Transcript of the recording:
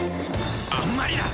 あんまりだ！